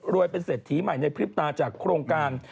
เป็นเศรษฐีใหม่ในพริบตาจากโครงการ